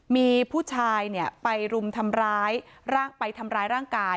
มีผู้ชายไปรุมทำร้ายไปทำร้ายร่างกาย